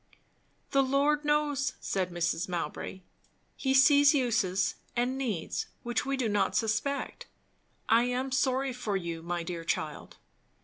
"The Lord knows!" said Mrs. Mowbray. "He sees uses, and needs, which we do not suspect. I am sorry for you, my dear child."